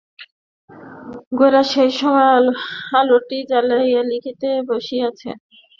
গোরা সেই সময় আলোটি জ্বালাইয়া লিখিতে বসিয়াছে।